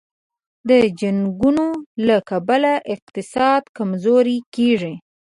د جنګونو له کبله اقتصاد کمزوری کېږي.